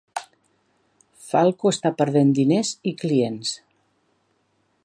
Falco està perdent diners i clients.